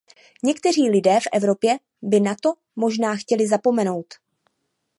Někteří lidé v Evropě by na to možná chtěli zapomenout.